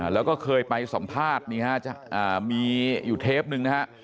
แล้วก็เคยไปสัมภาษณ์นี่ฮะมีอยู่เทปนึงนะฮะ